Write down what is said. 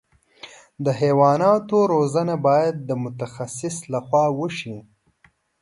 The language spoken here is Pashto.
د حیواناتو روزنه باید د متخصص له خوا وشي.